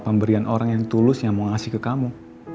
pemberian orang yang tulus yang mau ngasih ke kamu